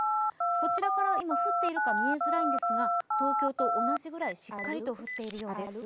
こちらから今、降っているか見えづらいんですが、東京と同じくらいしっかりと降っているようです。